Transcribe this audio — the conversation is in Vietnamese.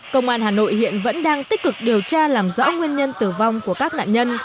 công an hà nội hiện vẫn đang tích cực điều tra làm rõ nguyên nhân tử vong của các nạn nhân